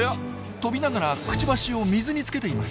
飛びながらクチバシを水につけています。